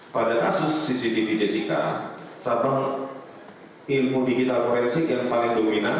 pada kasus cctv jessica satu ilmu digital forensik yang paling dominan